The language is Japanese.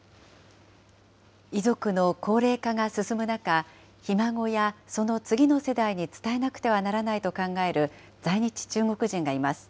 遺族の高齢化が進む中、ひ孫やその次の世代に伝えなくてはならないと考える在日中国人がいます。